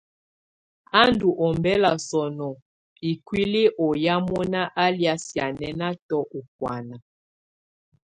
Á ndù ɔmbɛla sɔnɔ ikuili ɔ́ yá mɔna á lɛ̀á sianɛnatɔ ú bɔ̀ána.